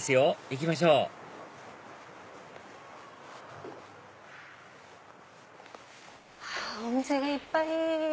行きましょうお店がいっぱい！